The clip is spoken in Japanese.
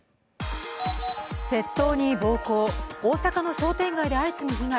窃盗に暴行、大阪の商店街で相次ぐ被害。